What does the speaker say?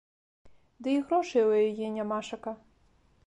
Ды і грошай у яе нямашака.